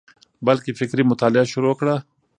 بلکي فکري مطالعه شروع کړه،